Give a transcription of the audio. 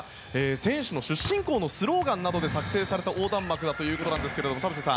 選手の出身校のスローガンなどで作成された横断幕ということで田臥さん。